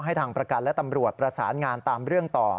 ทางประกันและตำรวจประสานงานตามเรื่องต่อ